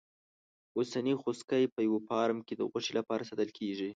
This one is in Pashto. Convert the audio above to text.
اوسنی خوسکی په یوه فارم کې د غوښې لپاره ساتل کېږي.